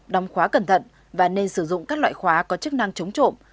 đóng khóa cẩn thận và nên sử dụng các loại khóa có chức năng chống trộm